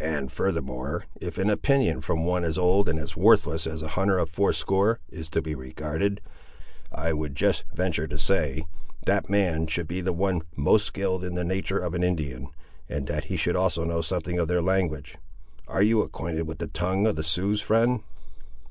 And furthermore, if an opinion from one as old and as worthless as a hunter of fourscore, is to be regarded, I would just venture to say, that man should be the one most skilled in the natur' of an Indian, and that he should also know something of their language.—Are you acquainted with the tongue of the Siouxes, friend?"